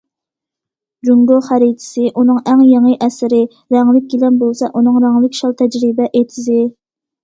« جۇڭگو خەرىتىسى» ئۇنىڭ ئەڭ يېڭى ئەسىرى،« رەڭلىك گىلەم» بولسا ئۇنىڭ رەڭلىك شال تەجرىبە ئېتىزى.